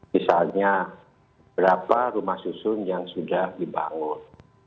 misalnya berapa rumah susun yang sudah dibangun